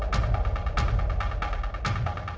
sekarang kurang mampu